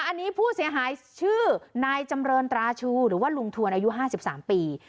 อันนี้ผู้เสียหายชื่อนายจำเรินตราชูหรือว่าลุงทวนอายุ๕๓ปี